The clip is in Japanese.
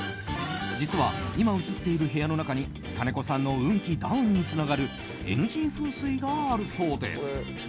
実は今映っている部屋の中に金子さんの運気ダウンにつながるＮＧ風水があるそうです。